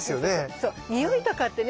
そうにおいとかってね